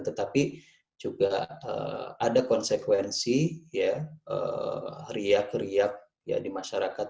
tetapi juga ada konsekuensi ya riak riak di masyarakat